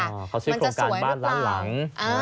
เขาชื่อโครงการบ้านล้านหลัง